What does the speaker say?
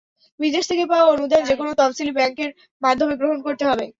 বিদেশ থেকে পাওয়া অনুদান যেকোনো তফশিলি ব্যাংকের মাধ্যমে গ্রহণ করতে হবে।